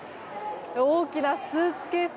大きなスーツケース。